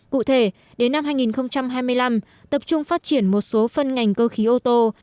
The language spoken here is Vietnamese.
cụ thể đến năm hai nghìn hai mươi năm tập trung phát triển một số phân ngành cơ khí ô tô